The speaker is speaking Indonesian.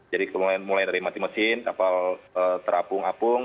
jadi mulai dari mati mesin kapal terapung apung